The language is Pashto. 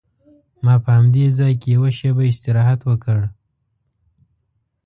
ما په همدې ځای کې یوه شېبه استراحت وکړ.